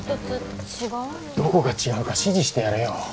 どこが違うか指示してやれよ。